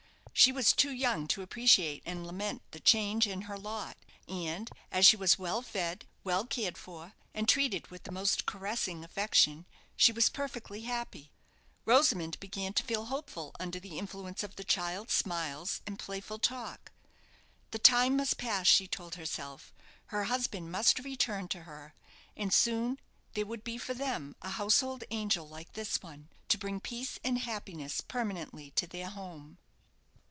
She was too young to appreciate and lament the change in her lot; and, as she was well fed, well cared for, and treated with the most caressing affection, she was perfectly happy. Rosamond began to feel hopeful under the influence of the child's smiles and playful talk. The time must pass, she told herself, her husband must return to her, and soon there would be for them a household angel like this one, to bring peace and happiness permanently to their home.